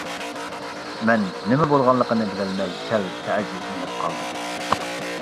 مەن نېمە بولغانلىقىنى بىلمەي سەل تەئەججۈپلىنىپ قالدىم.